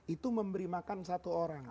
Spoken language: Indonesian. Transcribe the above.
itu memberi makan satu orang